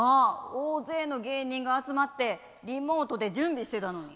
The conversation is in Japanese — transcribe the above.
大勢の芸人が集まってリモートで準備してたのに。